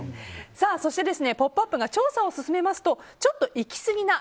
そして、「ポップＵＰ！」が調査を進めますとちょっといきすぎな